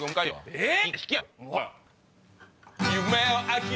えっ？